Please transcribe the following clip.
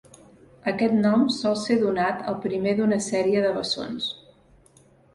Aquest nom sol ser donat al primer d'una sèrie de bessons.